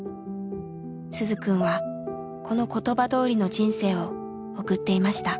鈴くんはこの言葉どおりの人生を送っていました。